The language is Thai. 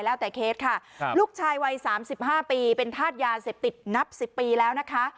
แล้วแต่เคสค่ะลูกชายวัย๓๕ปีเป็นธาตุยาเสพติดนับ๑๐ปีแล้วนะคะ